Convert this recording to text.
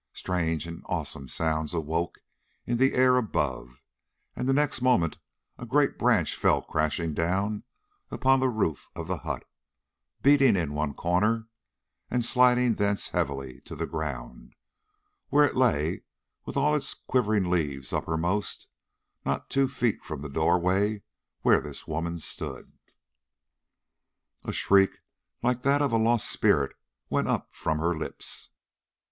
Strange and awesome sounds awoke in the air above, and the next moment a great branch fell crashing down upon the roof of the hut, beating in one corner, and sliding thence heavily to the ground, where it lay with all its quivering leaves uppermost, not two feet from the door way where this woman stood. A shriek like that of a lost spirit went up from her lips.